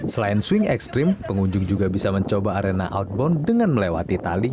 selain swing ekstrim pengunjung juga bisa mencoba arena outbound dengan melewati tali